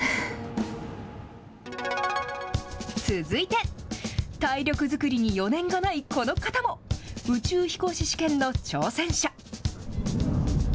続いて、体力作りに余念がないこの方も、宇宙飛行士試験の挑戦者。